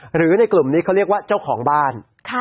หรือในกลุ่มนี้เขาเรียกว่าเจ้าของบ้าน